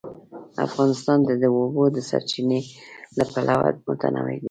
افغانستان د د اوبو سرچینې له پلوه متنوع دی.